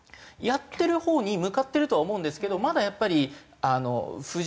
やってるほうに向かってるとは思うんですけどまだやっぱり不十分ですよね。